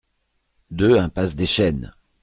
deux iMPASSE DES CHENES